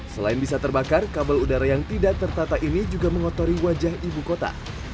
selain bisa terbakar kabel udara yang tidak tertata ini juga mengotori wajah ibu kota